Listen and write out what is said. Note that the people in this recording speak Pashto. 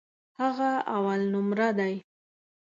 هغه اولنومره دی.